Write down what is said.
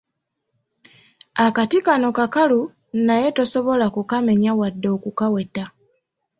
Akati kano kakalu naye tosobola kukamenya wadde okukaweta.